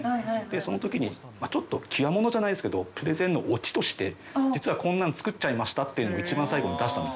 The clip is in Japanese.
そのときにちょっと、際物じゃないですけど、プレゼンのオチとして、実はこんなん作っちゃいましたっていうのを、一番最後に出したんです。